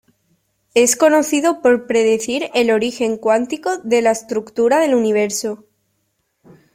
Es conocido por predecir el origen cuántico de la estructura del Universo.